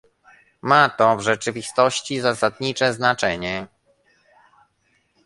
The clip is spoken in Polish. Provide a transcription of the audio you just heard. Ma to w rzeczywistości zasadnicze znaczenie